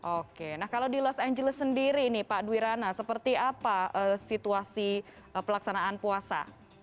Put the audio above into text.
oke nah kalau di los angeles sendiri nih pak dwirana seperti apa situasi pelaksanaan puasa